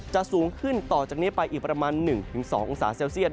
สูงขึ้นต่อจากนี้ไปอีกประมาณ๑๒องศาเซลเซียต